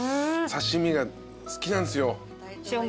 刺し身が好きなんですよ。